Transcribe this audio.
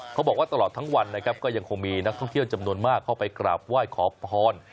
เขาบอกว่าตลอดทั้งวันนะครับก็ยังคงมีนักท่องเที่ยวจำนวนมากเข้าไปกราบไหว้ขอพร